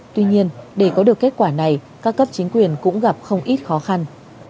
tuy nhiên để có được kết quả này các cấp chính quyền cũng gặp không ít khó khăn